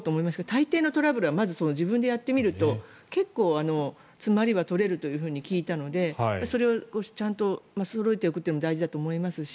大抵のトラブルはまず自分でやってみると結構、詰まりは取れるというふうに聞いたのでそれをちゃんとそろえておくのも大事だと思いますし。